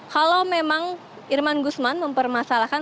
kalau memang irman gusman mempermasalahkan